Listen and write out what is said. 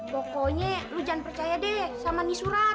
pokoknya lo jangan percaya deh sama nih surat